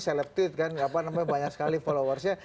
selektif kan namanya banyak sekali followersnya